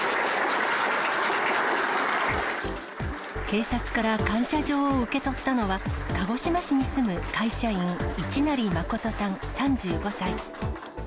警察から感謝状を受け取ったのは、鹿児島市に住む会社員、市成誠さん３５歳。